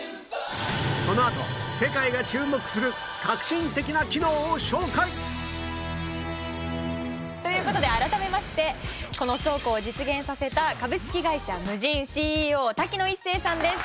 このあと世界が注目する革新的な機能を紹介という事で改めましてこの倉庫を実現させた株式会社 ＭｕｊｉｎＣＥＯ 滝野一征さんです。